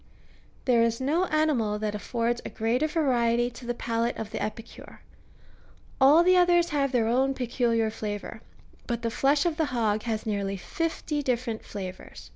There is no animal that affords a greater variety to the palate of the epicure ; all the others have their own peculiar flavour, but the flesh of the hog has nearly fifty different flavours.